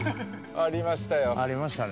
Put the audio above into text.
ありましたね。